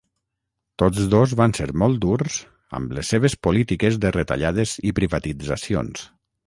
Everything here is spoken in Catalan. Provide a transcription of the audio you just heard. Tots dos van ser molt durs amb les seves polítiques de retallades i privatitzacions.